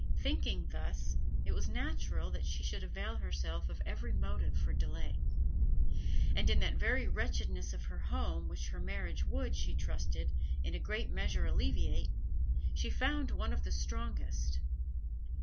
Thinking thus, it was natural that she should avail herself of every motive for delay. And in that very wretchedness of her home which her marriage would, she trusted, in a great measure alleviate, she found one of the strongest.